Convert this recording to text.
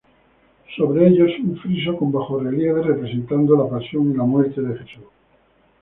Sobre ellas un friso con bajorrelieves representando la pasión y la muerte de Jesús.